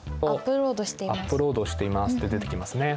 「アップロードしています」って出てきますね。